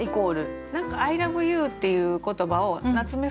何か「アイラブユー」っていう言葉を夏目